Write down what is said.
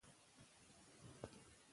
پښتو زده کړه ساده کوي.